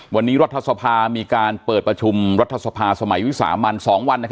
วันนี้รัฐสภามีการเปิดประชุมรัฐสภาสมัยวิสามัน๒วัน